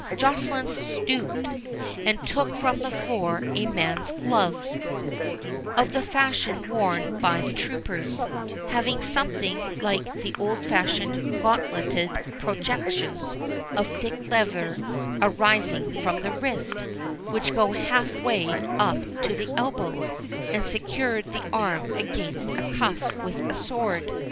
Joceline stooped, and took from the floor a man's glove, of the fashion worn by the troopers, having something like the old fashioned gauntleted projections of thick leather arising from the wrist, which go half way up to the elbow, and secure the arm against a cut with a sword.